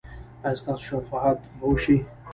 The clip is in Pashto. ایا ستاسو شفاعت به وشي؟